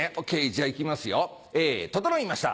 じゃあいきますよととのいました。